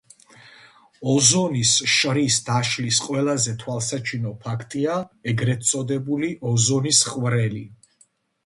ოზონის შრის დაშლის ყველაზე თვალსაჩინო ფაქტია ეგრეთ წოდებული ოზონის ხვრელი.